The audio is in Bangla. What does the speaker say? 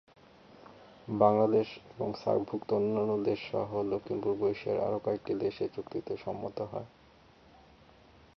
বাংলাদেশ এবং সার্কভুক্ত অন্যান্য দেশসহ দক্ষিণপূর্ব এশিয়ার আরও কয়েকটি দেশ এ চুক্তিতে সম্মত হয়।